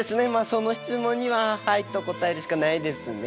その質問には「はい」と答えるしかないですね。